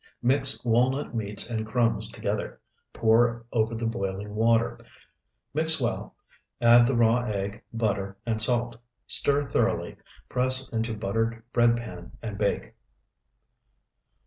Mix walnut meats and crumbs together, pour over the boiling water, mix well, add the raw egg, butter, and salt, stir thoroughly, press into buttered bread pan, and bake.